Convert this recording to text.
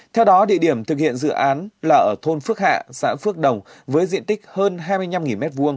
theo đó địa điểm thực hiện dự án là ở thôn phước hạ xã phước đồng với diện tích hơn hai mươi năm m hai